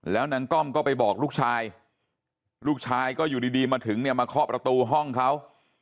แล้วนางก้อมก็ไปบอกลูกชายลูกชายก็อยู่ดีมาถึงเนี่ยมาเคาะประตูห้องเขา